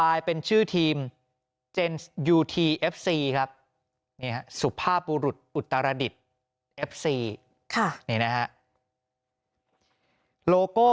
หยุดหยุดหยุดหยุดหยุด